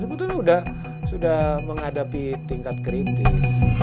sebetulnya sudah menghadapi tingkat kritis